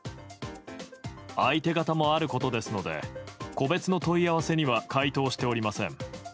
相手方もあることですので個別の問い合わせには回答しておりません。